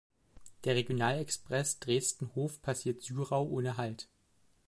Der Regionalexpress Dresden–Hof passiert Syrau ohne Halt.